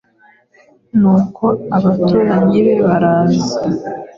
nuko abaturanyi be baraza